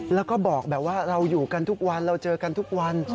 แล้วก็บอกแบบว่าเราอยู่กันทุกวันเราเจอกันทุกวัน